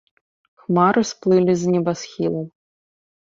Хмары сплылі з небасхілу.